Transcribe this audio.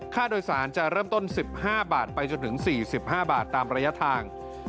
ค่าโดยสารจะเริ่มต้น๑๕บาทไปจนถึง๔๕บาทตามระยะทาง